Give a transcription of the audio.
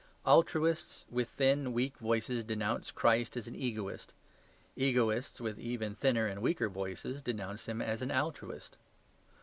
Altruists, with thin, weak voices, denounce Christ as an egoist. Egoists (with even thinner and weaker voices) denounce Him as an altruist.